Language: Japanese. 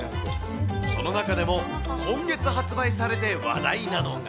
その中でも今月発売されて話題なのが。